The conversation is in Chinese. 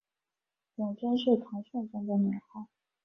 永贞是唐顺宗的年号。